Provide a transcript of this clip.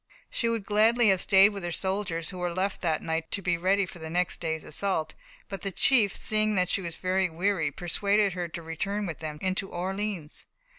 She would gladly have stayed with her soldiers who were left that night to be ready for the next day's assault, but the chiefs, seeing that she was very weary, persuaded her to return with them into Orleans.